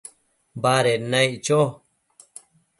baded naic cho